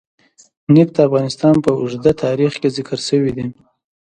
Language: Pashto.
نفت د افغانستان په اوږده تاریخ کې ذکر شوی دی.